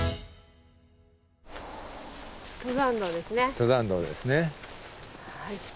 登山道ですね。